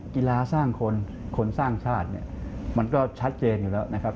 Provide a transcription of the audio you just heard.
กีฬาสร้างคนคนสร้างชาติเนี่ยมันก็ชัดเจนอยู่แล้วนะครับ